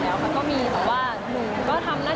แต่ก็ไม่มีความรู้สึกมาก